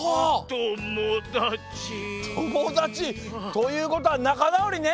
「ともだち」ということはなかなおりね。